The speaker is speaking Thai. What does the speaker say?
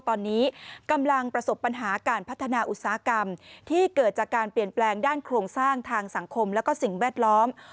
ตอนนี้กำลังประสบปัญหาการพัฒนาอุตสาหกรรมที่เกิดจากการเปลี่ยนแปลงด้านโครงสร้างทางสังคมและสิ่งแวดล้อม